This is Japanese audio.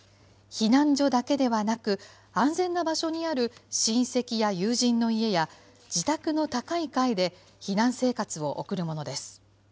避難所だけではなく、安全な場所にある親戚や友人の家や、自宅の高い階で、避難生活を送るものです。